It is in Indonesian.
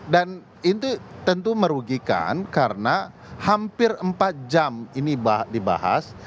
dan itu tentu merugikan karena hampir empat jam ini dibahas